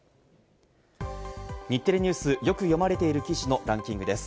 日テレＮＥＷＳ、よく読まれている記事のランキングです。